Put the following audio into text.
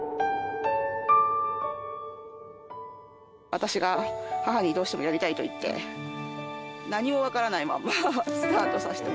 私が母にどうしてもやりたいと言って何もわからないまんまスタートさせてもらって。